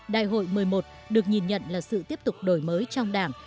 đại hội một mươi một được nhìn nhận là sự tiếp tục đổi mới trong đảng